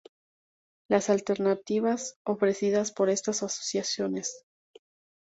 Las alternativas ofrecidas por estas asociaciones